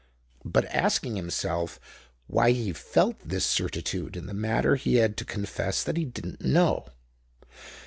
But asking himself why he felt this certitude in the matter he had to confess that he didn't know.